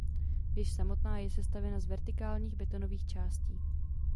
Věž samotná je sestavena z vertikálních betonových částí.